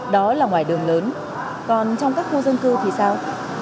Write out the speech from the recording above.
đó là ngoài đường lớn còn trong các khu dân cư thì sao